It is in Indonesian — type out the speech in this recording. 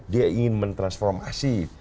dia ingin mentransformasi